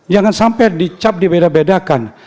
jangan sampai dicap dibeda bedakan